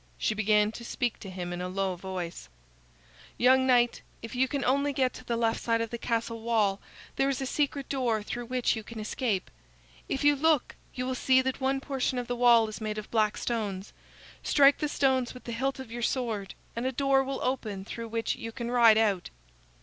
She began to speak to him in a low voice: "Young knight, if you can only get to the left side of the castle wall, there is a secret door through which you can escape. If you look, you will see that one portion of the wall is made of black stones. Strike the stones with the hilt of your sword, and a door will open through which you can ride out."